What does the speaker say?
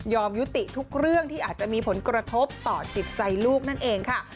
ยุติทุกเรื่องที่อาจจะมีผลกระทบต่อจิตใจลูกนั่นเองค่ะ